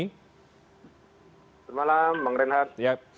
selamat malam bang renhar